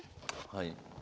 はい。